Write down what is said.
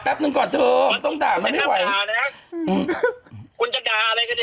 อะไรก็เดี๋ยวเขาด่าด่ากันในวันนี้